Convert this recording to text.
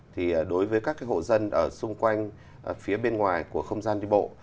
thì đối với các hộ dân ở xung quanh phía bên ngoài của không gian đi bộ